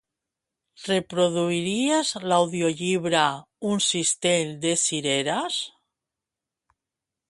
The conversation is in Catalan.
Reproduiries l'audiollibre "Un cistell de cireres"?